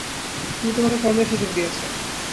তিনি তোমাকে কর্মের সুযোগ দিয়াছেন।